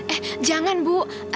eh jangan bu